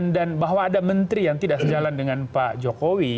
dan bahwa ada menteri yang tidak sejalan dengan pak jokowi